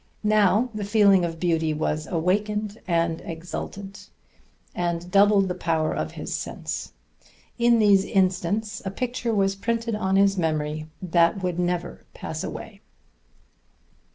Now the feeling of beauty was awakened and exultant, and doubled the power of his sense. In these instants a picture was printed on his memory that would never pass away.